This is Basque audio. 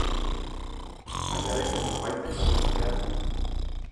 Baina beste norbaiten laguntza behar dut.